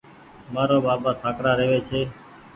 مآرو ٻآٻآ سآڪرآ رهوي ڇي